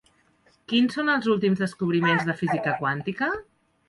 Quins són els últims descobriments de física quàntica?